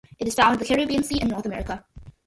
It is found in the Caribbean Sea and North America.